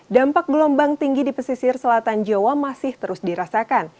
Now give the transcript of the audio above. dampak gelombang tinggi di pesisir selatan jawa masih terus dirasakan